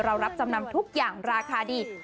รับจำนำทุกอย่างราคาดี